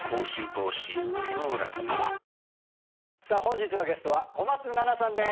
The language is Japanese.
さあ本日のゲストは小松菜奈さん